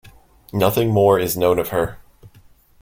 Nothing more is known of her.